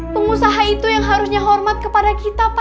pengusaha itu yang harusnya hormat kepada kita pak